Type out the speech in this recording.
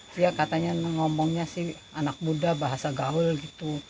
fia katanya ngomongnya sih anak muda bahasa gaul gitu